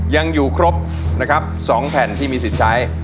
ยังอยู่ครบ๒แผ่นที่มีสิทธิใช้